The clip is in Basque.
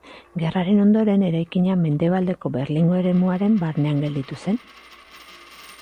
Gerraren ondoren eraikina Mendebaldeko Berlingo eremuaren barnean gelditu zen.